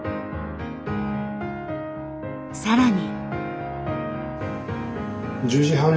更に。